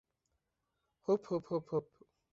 হুপ, হুপ হুপ, হুপ।